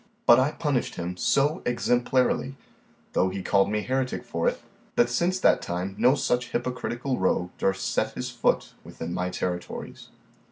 But I punished him so exemplarily, though he called me heretic for it, that since that time no such hypocritical rogue durst set his foot within my territories.